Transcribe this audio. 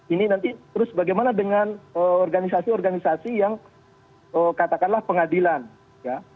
ini nanti terus bagaimana dengan organisasi organisasi yang katakanlah pengadilan ya